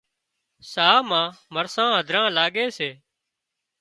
ساهَه مان مرسان هڌران لاڳي سي